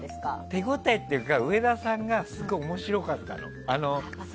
手応えというか上田さんがすごい面白かったの。